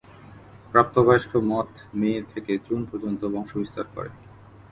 প্রাপ্তবয়স্ক moth May থেকে June পর্যন্ত বংশবিস্তার করে।